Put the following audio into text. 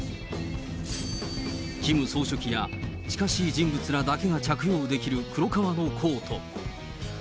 キム総書記や近しい人物だけが着用できる黒革のコート。